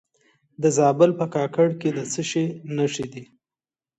د زابل په کاکړ کې د څه شي نښې دي؟